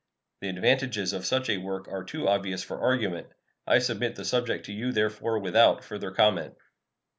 The advantages of such a work are too obvious for argument. I submit the subject to you, therefore, without further comment.